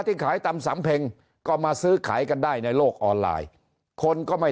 ที่ขายตำสำเพ็งก็มาซื้อขายกันได้ในโลกออนไลน์คนก็ไม่